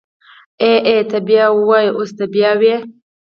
ای ای ته بيا ووی اوس ته بيا ووی.